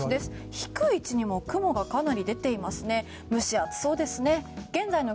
低い位置にも雲がかなり出ていますね。